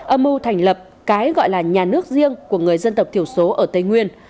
âm mưu thành lập cái gọi là nhà nước riêng của người dân tộc thiểu số ở tây nguyên